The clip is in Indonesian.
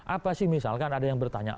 apa sih misalkan ada yang bertanya